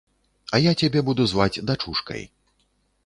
А я цябе буду зваць дачушкай.